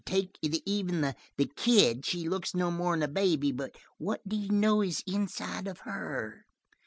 Take even the kid. She looks no more'n a baby, but what d'you know is inside of her?